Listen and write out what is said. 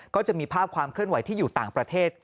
ก็จะมีภาพความเคลื่อนไหวที่อยู่ต่างประเทศ